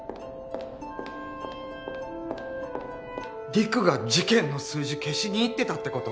陸が事件の数字消しに行ってたってこと！？